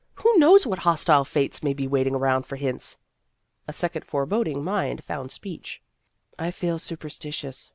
Who knows what hostile fates may be waiting around for hints?" A second foreboding mind found speech: " I feel superstitious.